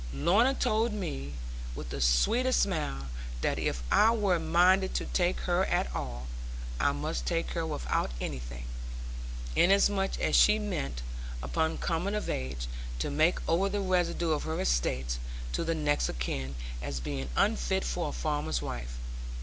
Lorna told me, with the sweetest smile, that if I were minded to take her at all, I must take her without anything; inasmuch as she meant, upon coming of age, to make over the residue of her estates to the next of kin, as being unfit for a farmer's wife.